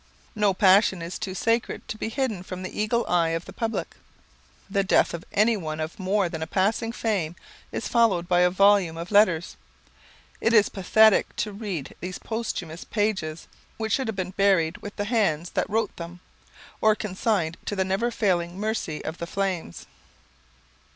No passion is too sacred to be hidden from the eagle eye of the public. The death of anyone of more than passing fame is followed by a volume of "letters." It is pathetic to read these posthumous pages, which should have been buried with the hands that wrote them, or consigned to the never failing mercy of the flames.